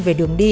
về đường đi